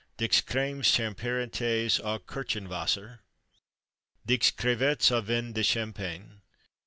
Dix Crêmes transparentes au Kirchenwasser. Dix Crevettes au Vin de Champagne.